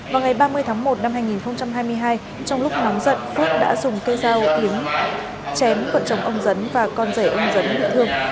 một năm hai nghìn hai mươi hai trong lúc nóng giận phước đã dùng cây dao yếm chém cận trồng ông dấn và con rể ông dấn bị thương